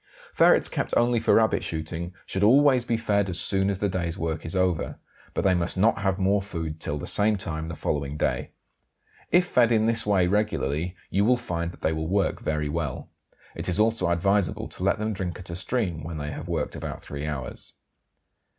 Ferrets kept only for rabbit shooting should always be fed as soon as the day's work is over, but they must not have more food till the same time the following day. If fed in this way regularly you will find that they will work very well. It is also advisable to let them drink at a stream when they have worked about three hours.